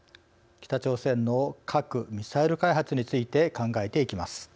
北朝鮮の核・ミサイル開発について考えていきます。